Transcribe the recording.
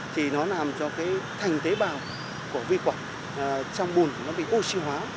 thì nó làm cho cái thành tế bào của vi khuẩn trong bùn nó bị oxy hóa